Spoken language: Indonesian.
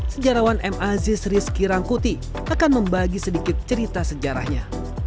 sejarawan m aziz rizky rangkuti akan membagi sedikit cerita sejarahnya